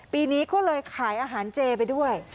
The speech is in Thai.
ปีนี้ก็เลยขายอาหารเจไปด้วย